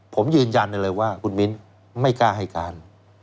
ผมยืนยันได้เลยว่าคุณมิ้นไม่กล้าให้การ